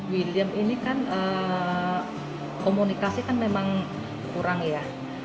william ini kan komunikasi kan memang kurang ya